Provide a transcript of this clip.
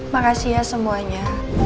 makasih ya semuanya